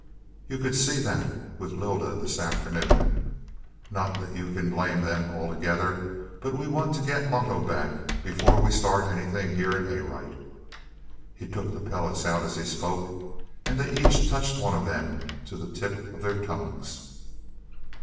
You could see that with Lylda this afternoon. Not that you can blame them altogether, but we want to get Loto back before we start anything here in Arite." He took the pellets out as he spoke, and they each touched one of them to the tip of their tongues.